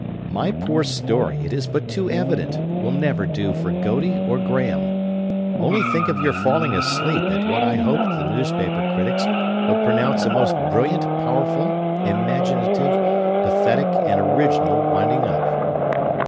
"My poor story, it is but too evident, will never do for Godey or Graham! Only think of your falling asleep at what I hoped the newspaper critics would pronounce a most brilliant, powerful, imaginative, pathetic, and original winding up!